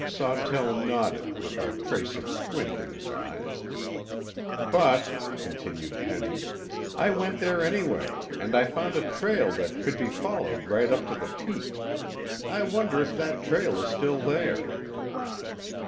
Sawtell nodded with a trace of a squint in his eyes. "But," continued Penny, "I went there anyway, and I found a trail that could be followed right up to the peak. I wonder if that trail is still there."